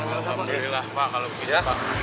alhamdulillah pak kalau begitu ya